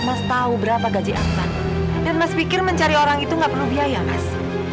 mas tahu berapa gaji advan dan mas pikir mencari orang itu nggak perlu biaya mas